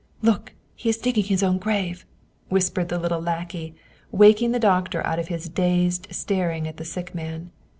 " Look, he is digging his own grave !" whispered the little lackey, waking the doctor out of his dazed staring at the sick man.